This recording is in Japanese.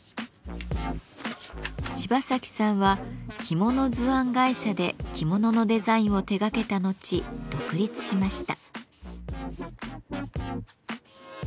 芝崎さんは着物図案会社で着物のデザインを手がけた後独立しました。